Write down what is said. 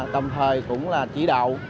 tầm thời cũng là chỉ đạo